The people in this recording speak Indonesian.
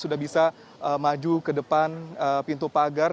bu volumenya sudah tahan dekat maju ke depan pintu pagar